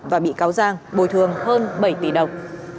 và bị cáo giang bồi thường hơn bảy tỷ đồng